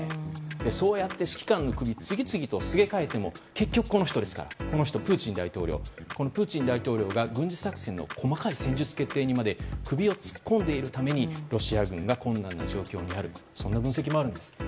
そうやって指揮官を次々とすげ替えても結局、この人プーチン大統領が軍事作戦の細かい戦術決定に首を突っ込んでいるためにロシア軍が困難な状況にあるという分析もあるんです。